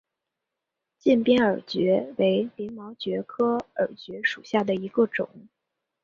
近边耳蕨为鳞毛蕨科耳蕨属下的一个种。